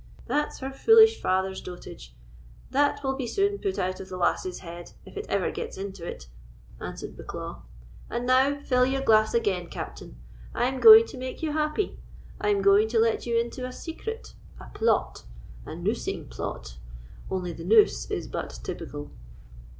"That's her foolish father's dotage; that will be soon put out of the lass's head, if it ever gets into it," answered Bucklaw. "And now fill your glass again, Captain; I am going to make you happy; I am going to let you into a secret—a plot—a noosing plot—only the noose is but typical."